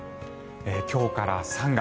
今日から３月。